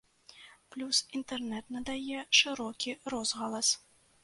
Плюс інтэрнэт надае шырокі розгалас.